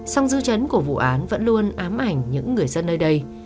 song dư chấn của vụ án vẫn luôn ám ảnh những người dân nơi đây